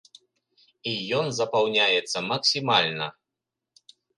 І ён запаўняецца максімальна!